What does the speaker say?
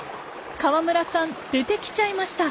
河村さん出てきちゃいました。